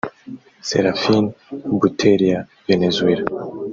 Serafin Boutureira (Venezuela)